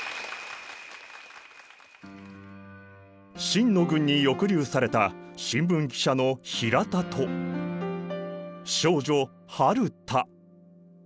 清の軍に抑留された新聞記者の比良田と少女春田。